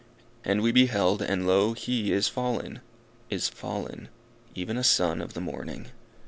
And we beheld, and lo, he is fallen! is fallen! even a son of the morning.